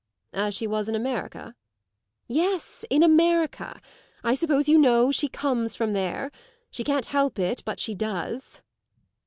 "As she was in America?" "Yes, in America. I suppose you know she comes from there. She can't help it, but she does."